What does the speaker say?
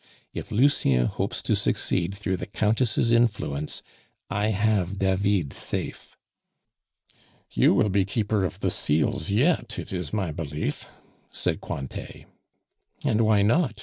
... If Lucien hopes to succeed through the Countess' influence, I have David safe " "You will be Keeper of the Seals yet, it is my belief," said Cointet. "And why not?